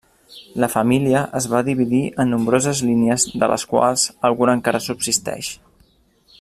La família es va dividir en nombroses línies de les quals alguna encara subsisteix.